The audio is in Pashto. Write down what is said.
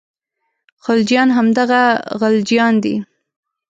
خلجیان همدغه غلجیان دي.